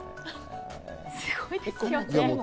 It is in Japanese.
すごいですよね。